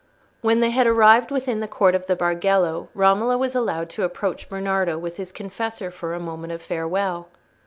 When they had arrived within the court of the Bargello, Romola was allowed to approach Bernardo with his confessor for a moment of farewell.